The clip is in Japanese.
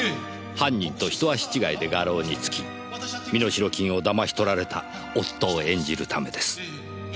犯人と一足違いで画廊に着き身代金を騙し取られた夫を演じるためです。